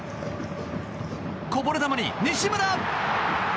こぼれ球に、西村！